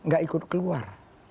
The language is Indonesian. gak ikut keluar